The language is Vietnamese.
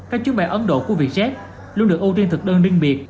các chuyến bay ấn độ của vietjet luôn được ưu tiên thực đơn riêng biệt